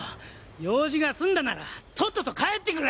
用事が済んだならとっとと帰ってくれ！